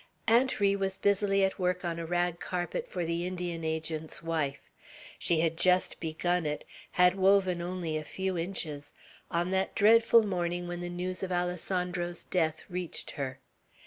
Aunt Ri was busily at work on a rag carpet for the Indian Agent's wife. She had just begun it, had woven only a few inches, on that dreadful morning when the news of Alessandro's death reached her.